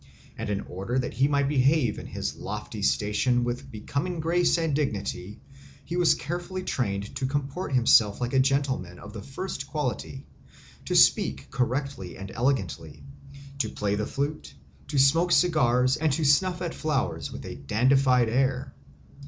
And in order that he might behave in his lofty station with becoming grace and dignity he was carefully trained to comport himself like a gentleman of the first quality, to speak correctly and elegantly, to play the flute, to smoke cigars and to snuff at flowers with a dandified air.